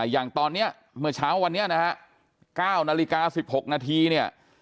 อย่างตอนนี้เมื่อเช้าวันนี้นะฮะ๙นาฬิกา๑๖นาทีเนี่ย